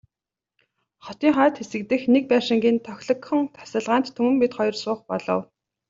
Хотын хойд хэсэг дэх нэг байшингийн тохилогхон тасалгаанд Түмэн бид хоёр суух болов.